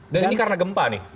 dan ini karena gempa nih